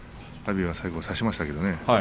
最後、差しましたけどね。